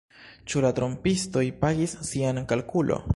Ĉu la trompistoj pagis sian kalkulo